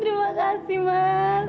terima kasih mas